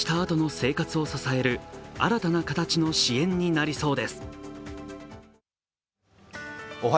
被災したあとの生活を支える新たな形の支援になりそうです。